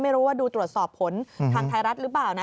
ไม่รู้ว่าดูตรวจสอบผลทางไทยรัฐหรือเปล่านะ